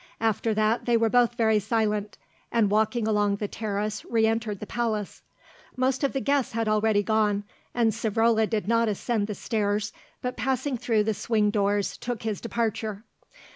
After that they were both very silent, and walking along the terrace re entered the palace. Most of the guests had already gone, and Savrola did not ascend the stairs, but passing through the swing doors took his departure.